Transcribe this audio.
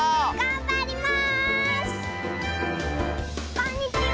こんにちは！